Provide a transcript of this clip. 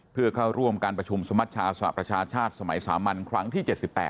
เพื่อเข้าร่วมการประชุมสมัชชาสหประชาชาติสมัยสามัญครั้งที่๗๘